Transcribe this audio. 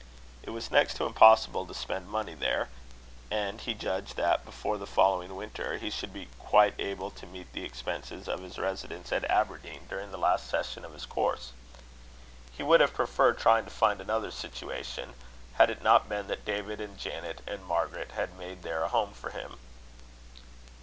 It was next to impossible to spend money there; and he judged that before the following winter, he should be quite able to meet the expenses of his residence at Aberdeen, during the last session of his course. He would have preferred trying to find another situation, had it not been that David and Janet and Margaret had made there a home for him.